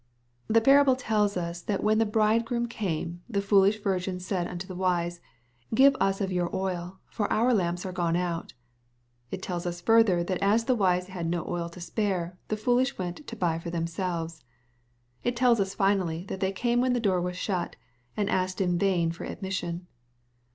The parable tells us that when the bridegroom came, the foolish virgins said unto the wise, "give us of your oil ; for our lamps are gone out." It tells us further, that as the wise had no oil to spare, the foolish went to " buy for themselves." It tells us finally, that they came when the door was shut, and as^ed in vain for admission.